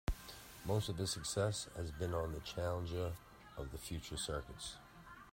Most of his success has been on the challenger and future circuits.